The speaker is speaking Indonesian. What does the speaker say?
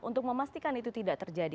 untuk memastikan itu tidak terjadi